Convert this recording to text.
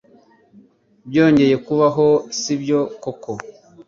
Byongeye kubaho, sibyo koko?